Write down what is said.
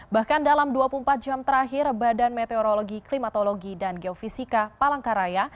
bahkan dalam dua puluh empat jam terakhir badan meteorologi klimatologi dan geofisika palangkaraya